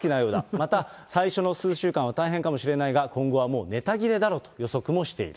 また、最初の数週間は大変かもしれないが、今後は、もうネタ切れだろうと予測もしている。